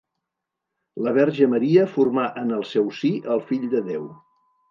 La Verge Maria formà en el seu si el Fill de Déu.